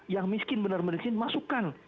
yang miskin benar benar miskin masukan